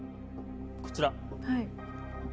こちら。